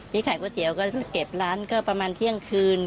นี่ขายก๋วยเตี๋ยวก็เก็บร้านก็ประมาณเที่ยงคืน